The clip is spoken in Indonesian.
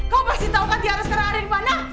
kamu pasti tahu kan tiara sekarang ada di mana